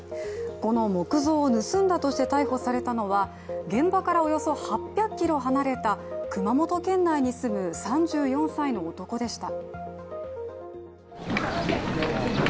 この木像を盗んだとして逮捕されたのは、現場からおよそ８００ｋｍ離れた熊本県内に住む３４歳の男でした。